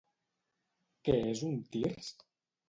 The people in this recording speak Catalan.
Què és un tirs?